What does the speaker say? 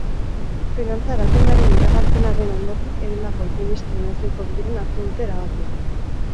Finantza erakundearen iragarpenaren ondotik egindako ministroen ezohiko bileran hartu dute erabakia.